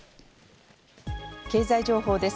経済情報です。